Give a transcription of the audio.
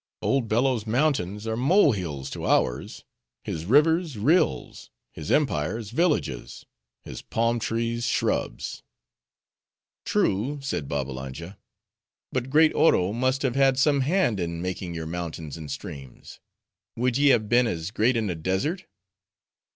Old Bello's mountains are mole hills to ours; his rivers, rills; his empires, villages; his palm trees, shrubs." "True," said Babbalanja. "But great Oro must have had some hand in making your mountains and streams.—Would ye have been as great in a desert?"